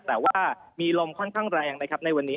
แต่ว่ามีลมค่อนข้างแรงในวันนี้